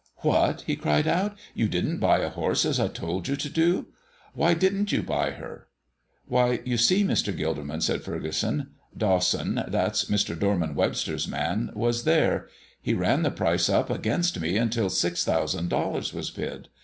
"What!" he cried out, "you didn't buy the horse as I told you to do? Why didn't you buy her?" "Why, you see, Mr. Gilderman," said Furgeson, "Dawson that's Mr. Dorman Webster's man was there. He ran the price up against me until six thousand dollars was bid.